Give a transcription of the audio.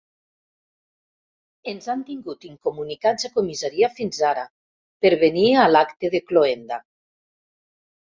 Ens han tingut incomunicats a comissaria fins ara, per venir a l'acte de cloenda.